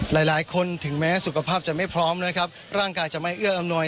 หลายคนถึงแม้สุขภาพจะไม่พร้อมนะครับร่างกายจะไม่เอื้ออำนวย